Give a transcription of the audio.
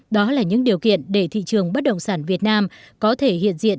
đó là những điều kiện để thị trường bất động sản việt nam có thể hiện diện